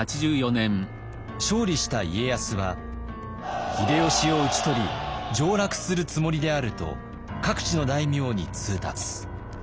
勝利した家康は「秀吉を討ち取り上らくするつもりである」と各地の大名に通達。